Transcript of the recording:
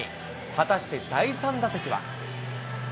果たして第３打席は。